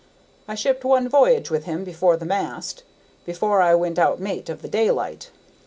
I shipped one v'y'ge with him before the mast, before I went out mate of the Daylight.